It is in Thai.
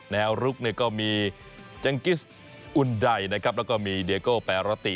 แนวลุกก็มีจังกิสอุ่นดัยแล้วก็มีเดียโก้แปรราติ